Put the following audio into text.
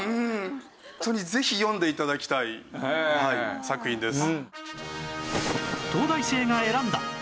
ホントにぜひ読んで頂きたい作品です。